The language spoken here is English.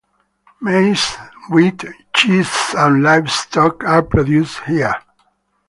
Maize, wheat, cheese and livestock are produced here.